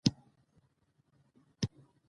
د افغانستان په منظره کې ژورې سرچینې ښکاره ده.